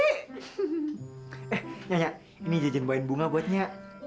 eh ya ya ini jejen buahin bunga buatnya